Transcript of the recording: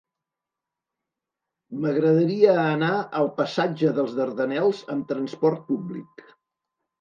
M'agradaria anar al passatge dels Dardanels amb trasport públic.